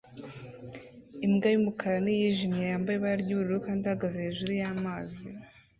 Imbwa y'umukara n'iyijimye yambaye ibara ry'ubururu kandi ihagaze hejuru y'amazi